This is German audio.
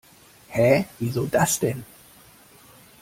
Hä, wieso das denn?